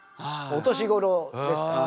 お年頃ですから。